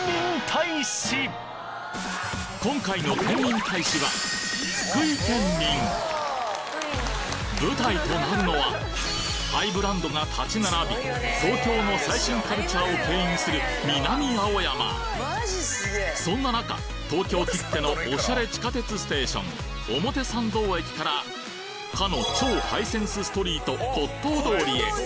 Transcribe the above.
今回のケンミン大使は福井県民舞台となるのはハイブランドが立ち並び東京のそんな中東京きってのオシャレ地下鉄ステーション表参道駅からかの超ハイセンスストリート骨董通りへ。